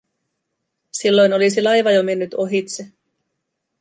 Silloin olisi laiva jo mennyt ohitse.